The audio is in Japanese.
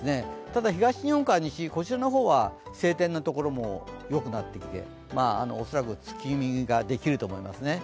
ただ、東日本から西、こちらの方は晴天のところもよくなってきて、恐らく月見ができると思いますね。